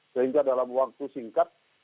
sehingga dalam waktu singkat